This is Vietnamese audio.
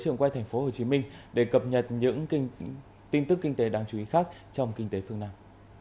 nhưng tin tức kinh tế đang chú ý khác trong kinh tế phương nam